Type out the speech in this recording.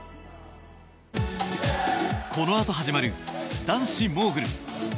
このあと始まる男子モーグル。